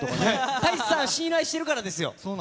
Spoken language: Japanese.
太一さんを信頼してるからですよ。